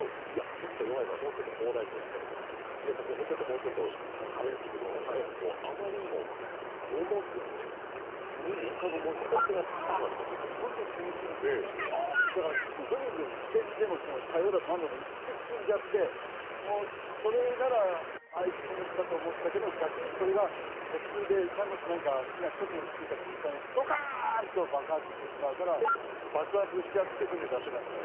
ちょっと弱いからもうちょっと砲台増やそうとかいやここちょっともうちょっと壁つくろうよもうあまりにも重すぎて海に浮かぶもんじゃなくなってしまったという武器積みすぎてああだからとにかく危険でも大砲でも何でもいっぱい積んじゃってもうそれなら安心かと思ったけど逆にそれが途中でもし何か火がちょっとでもついた瞬間にドカーン！と爆発してしまうから爆発しちゃって船出せなくなった？